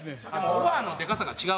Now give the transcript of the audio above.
オファーのでかさが違うね。